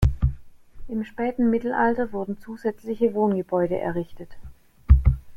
Im späten Mittelalter wurden zusätzliche Wohngebäude errichtet.